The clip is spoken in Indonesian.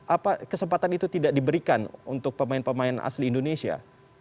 apa kesempatan itu tidak diberikan untuk pemain pemain asli indonesia